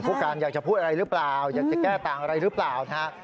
ผู้การอยากจะพูดอะไรหรือเปล่าอยากจะแก้ต่างอะไรหรือเปล่านะฮะ